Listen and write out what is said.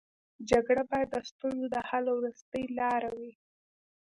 جګړه باید د ستونزو د حل وروستۍ لاره وي